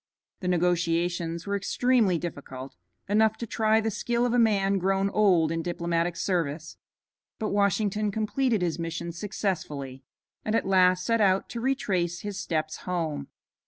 The negotiations were extremely difficult, enough to try the skill of a man grown old in diplomatic service, but Washington completed his mission successfully, and at last set out to retrace his steps home.